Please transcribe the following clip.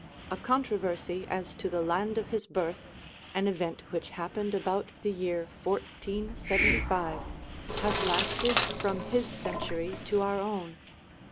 A controversy as to the land of his birth an event which happened about the year 1475 has lasted from his century to our own.